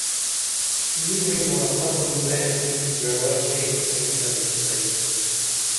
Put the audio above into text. نی وعیمہ ختم بائنکی گعوہ شئیں تھین تلی ائی